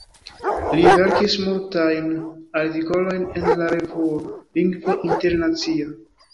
Li verkis multajn artikolojn en la revuo "Lingvo Internacia".